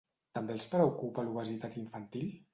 També els preocupa l’obesitat infantil?